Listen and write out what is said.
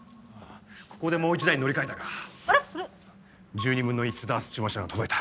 １２分の１ダース注文したのが届いた！